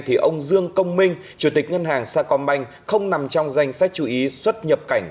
thì ông dương công minh chủ tịch ngân hàng sa công banh không nằm trong danh sách chú ý xuất nhập cảnh